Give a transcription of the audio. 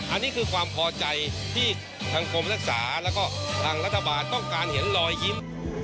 อันนี้คือความพอใจที่ทางกรมรักษาแล้วก็ทางรัฐบาลต้องการเห็นรอยยิ้ม